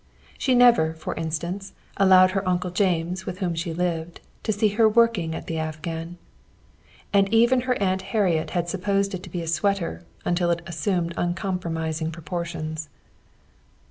She never, for instance, allowed her Uncle James, with whom she lived, to see her working at the afghan; and even her Aunt Harriet had supposed it to be a sweater until it assumed uncompromising proportions.